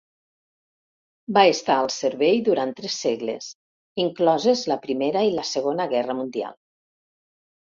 Va estar al servei durant tres segles, incloses la Primera i la Segona Guerra Mundial.